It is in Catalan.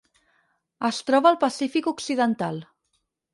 Es troba al Pacífic occidental.